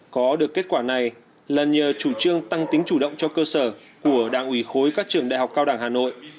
có được kết quả này là nhờ chủ trương tăng tính chủ động cho cơ sở của đảng ủy khối các trường đại học cao đẳng hà nội